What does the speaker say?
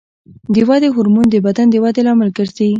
د ودې هورمون د بدن د ودې لامل ګرځي.